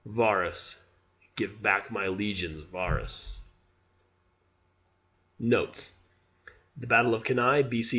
Varus! Give back my legions, Varus!" [Notes: The battle of Cannae, B.C.